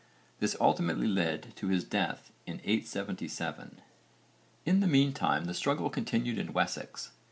This ultimately led to his death in 877 (v. infra, p. 58). In the meantime the struggle continued in Wessex.